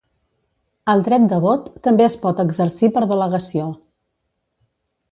El dret de vot també es pot exercir per delegació